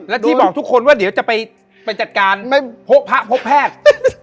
แล้วที่บอกทุกคนว่าเดี๋ยวจะไปจัดการไม่พบพระพบแพทย์